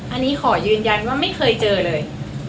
อันนี้ขอยืนยันว่าไม่เคยเจอเลย